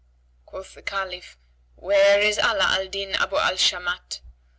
"[FN#80] Quoth the Caliph, "Where is Ala al Din Abu al al Shamat?"